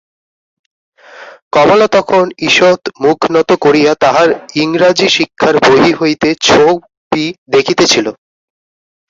কমলা তখন ঈষৎ মুখ নত করিয়া তাহার ইংরাজিশিক্ষার বহি হইতে ছবি দেখিতেছিল।